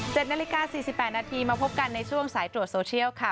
นาฬิกาสี่สิบแปดนาทีมาพบกันในช่วงสายตรวจโซเชียลค่ะ